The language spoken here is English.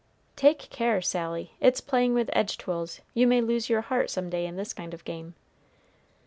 "Take care, Sally, it's playing with edge tools; you may lose your heart some day in this kind of game."